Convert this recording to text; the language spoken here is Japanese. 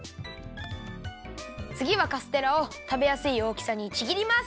つぎはカステラをたべやすいおおきさにちぎります。